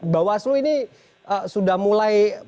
bawaslu ini sudah mulai